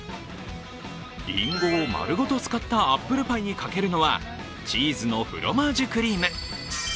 りんごをまるごと使ったアップルパイにかけるのはチーズのフロマージュクリーム。